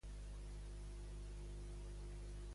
OAC, digues-me el telèfon.